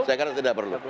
saya kira tidak perlu